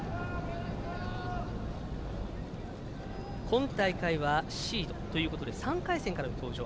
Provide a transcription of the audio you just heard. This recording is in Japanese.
今大会はシードということで３回戦から登場。